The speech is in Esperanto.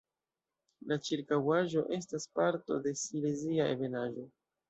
La ĉirkaŭaĵo estas parto de Silezia ebenaĵo.